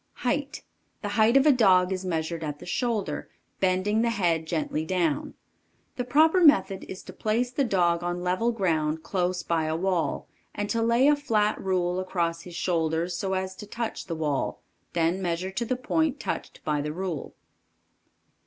Height. The height of a dog is measured at the shoulder, bending the head gently down. The proper method is to place the dog on level ground close by a wall, and to lay a flat rule across his shoulders so as to touch the wall; then measure to the point touched by the rule.